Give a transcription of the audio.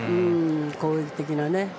攻撃的なね。